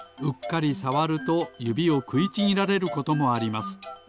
うっかりさわるとゆびをくいちぎられることもあります。